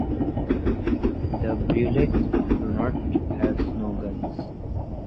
The Breuleux do not have snow guns.